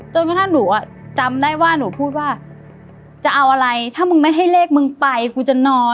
กระทั่งหนูอ่ะจำได้ว่าหนูพูดว่าจะเอาอะไรถ้ามึงไม่ให้เลขมึงไปกูจะนอน